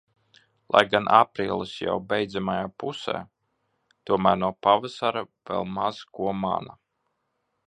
Lai gan aprīlis jau beidzamajā pusē, tomēr no pavasara vēl maz ko mana.